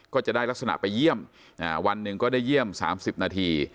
ก็จะได้ลักษณะไปเยี่ยมวันหนึ่งก็ได้เยี่ยม๓๐นาที